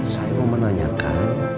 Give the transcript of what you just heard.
saya mau menanyakan